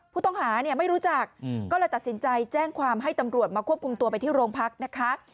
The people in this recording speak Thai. ผู้ต้องหาเนี่ยไม่รู้จักก็เลยตัดสินใจแจ้งความให้ตำรวจมาควบคุมตัวไปที่โรงพักนะคะ